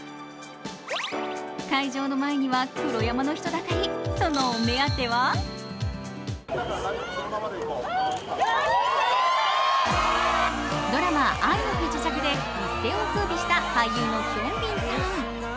会場の前には黒山の人だかり、そのお目当てはドラマ「愛の不時着」で一世をふうびした俳優のヒョンビンさん。